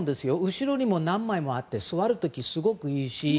後ろにも何枚もあって座る時すごくいいし。